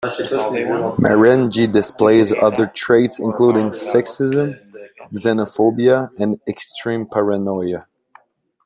Marenghi displays other traits including sexism, xenophobia, and extreme paranoia.